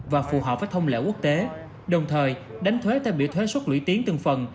và phù hợp với thông lệ quốc tế đồng thời đánh thuế theo biểu thuế xuất lũy tiến từng phần